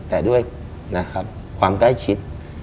แต่ด้วยนะครับความใกล้ชิด